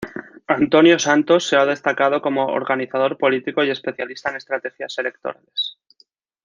Antonio Santos se ha destacado como organizador político y especialista en estrategias electorales.